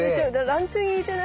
ランチュウに似てない？